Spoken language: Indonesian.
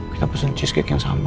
kita pesen cheesecat yang sama